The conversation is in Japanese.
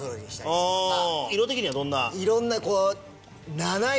色的にはどんな？